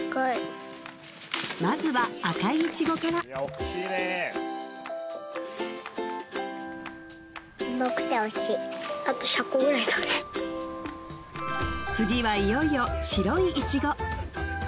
まずは赤いイチゴから次はいよいよ白いイチゴ